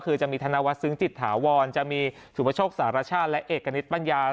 ก็คือจะมีธนวศซึ้งจิตถาวรจะมีสุพชกษรรชาและเอกณิตปัญญา